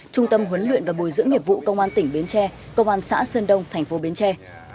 trung tâm huấn luyện và bồi dưỡng nghiệp vụ công an tỉnh bến tre công an xã sơn đông thành phố bến tre